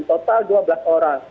total dua belas orang